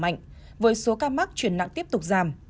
một số mắc và sai đoạn giảm mạnh với số ca mắc chuyển nặng tiếp tục giảm